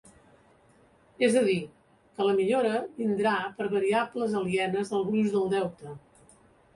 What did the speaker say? És a dir, que la millora vindrà per variables alienes al gruix del deute.